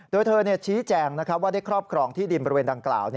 โดยเธอชี้แจงว่าได้ครอบครองที่ดินบริเวณดังกล่าว